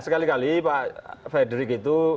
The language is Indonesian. sekali kali pak frederick itu